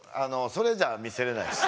それじゃあ見せれないですよ。